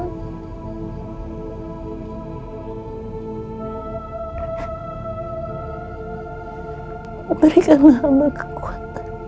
memberikan hamba kekuatan